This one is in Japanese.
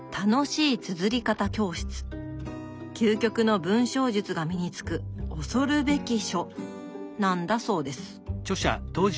究極の文章術が身につく恐るべき書なんだそうです。